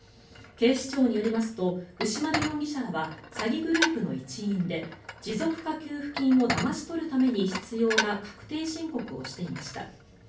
警視庁によりますと牛丸容疑者らは詐欺グループの一員で持続化給付金をだまし取るために必要な確定申告をしていました。